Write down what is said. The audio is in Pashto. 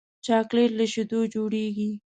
چاکلېټ له شیدو جوړېږي.